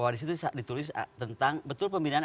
di situ ditulis tentang betul pembinaan